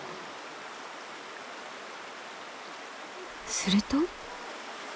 すると。